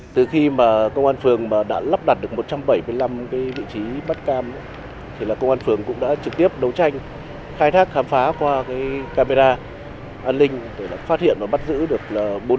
từ khi công an phường đã lắp đặt được một trăm bảy mươi năm vị trí bắt cam công an phường cũng đã trực tiếp đấu tranh khai thác khám phá qua camera an ninh để phát hiện và bắt giữ được bốn đối tượng